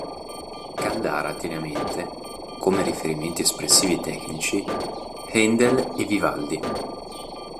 Caldara tiene a mente, come riferimenti espressivi e tecnici, Haendel e Vivaldi.